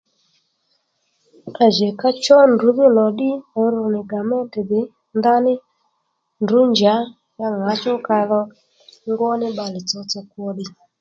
À jì ka chó ndrǔ dhí lò ddí ru nì gamentè dè ndaní ndrǔ njǎ ya ŋǎchú kadho ngwó ní bbalè tsotso kwo ddiy